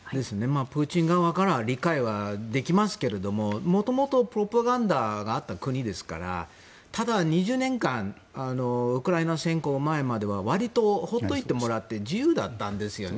プーチン側から理解はできますけどもともと、プロパガンダがあった国ですからただ、２０年間ウクライナ侵攻前までは割と放っておいてもらって自由だったんですよね。